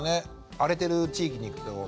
荒れてる地域に行くと怖い！